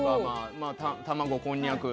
卵、こんにゃく。